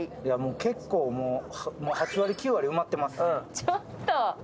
結構、もう８割９割埋まってます。